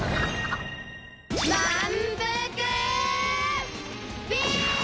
まんぷくビーム！